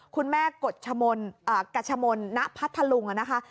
คุณแม่กฎชมนณพัทธลุงนะคะ